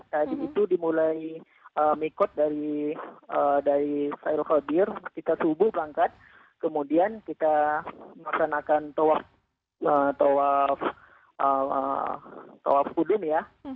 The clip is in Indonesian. tadi itu dimulai mikot dari syair khadir kita subuh bangkat kemudian kita meresanakan tawaf pudun ya